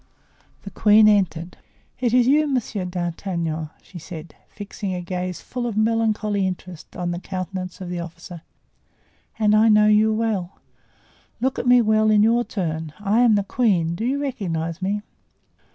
The queen entered. "It is you, Monsieur d'Artagnan," she said, fixing a gaze full of melancholy interest on the countenance of the officer, "and I know you well. Look at me well in your turn. I am the queen; do you recognize me?"